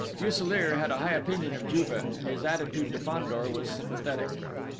Fuselier had a high opinion of Juve, and his attitude to Fandor was sympathetic.